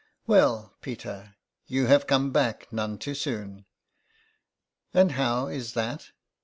'* Well, Peter, you have come back none too soon.'' "And how is that?